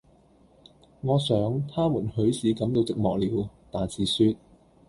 我想，他們許是感到寂寞了，但是說：